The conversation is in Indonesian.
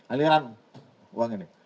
aliran uang ini